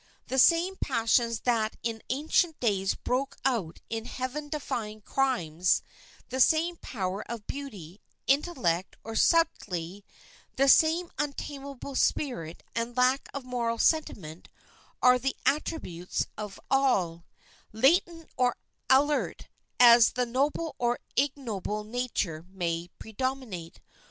The same passions that in ancient days broke out in heaven defying crimes; the same power of beauty, intellect, or subtlety; the same untamable spirit and lack of moral sentiment are the attributes of all; latent or alert as the noble or ignoble nature may predominate.